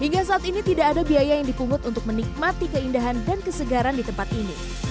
hingga saat ini tidak ada biaya yang dipungut untuk menikmati keindahan dan kesegaran di tempat ini